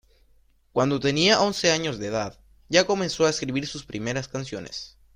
Cuando tenia once años de edad, ya comenzó a escribir sus primeras canciones.